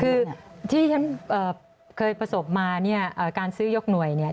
คือที่ฉันเคยประสบมาความซื้อยกหน่วย